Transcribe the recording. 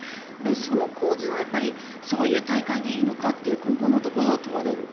その構図はそういう大会でいいのかという今後のところを問われるなと。